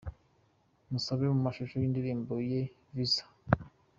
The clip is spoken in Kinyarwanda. Musabe mu mashusho y'indirimbo ye Visa.